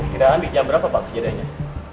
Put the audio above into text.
kira kira di jam berapa pak kejadiannya